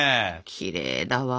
きれいだわ。